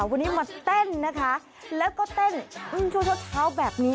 วันนี้มาเต้นนะคะแล้วก็เต้นช่วงเช้าแบบนี้